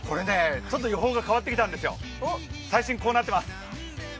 ちょっと予報が変わってきたんですよ、最新こうなっています